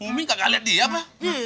umi kagak liat dia apa